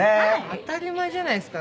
当たり前じゃないですか。